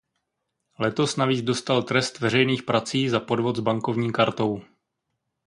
Letos navíc dostal trest veřejných prací za podvod s bankovní kartou.